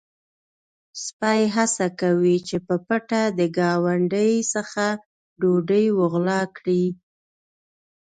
سپی هڅه کوي چې په پټه د ګاونډي څخه ډوډۍ وغلا کړي.